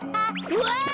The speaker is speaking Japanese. うわ！